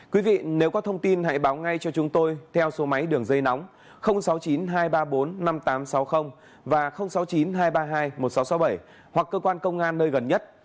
quý vị nếu có thông tin hãy báo ngay cho chúng tôi theo số máy đường dây nóng sáu mươi chín hai trăm ba mươi bốn năm nghìn tám trăm sáu mươi và sáu mươi chín hai trăm ba mươi hai một nghìn sáu trăm sáu mươi bảy hoặc cơ quan công an nơi gần nhất